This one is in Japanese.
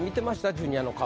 ジュニアの顔。